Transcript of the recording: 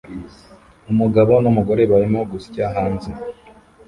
Umugabo numugore barimo gusya hanze